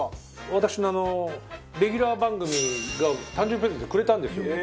私のレギュラー番組が誕生日プレゼントでくれたんですよ。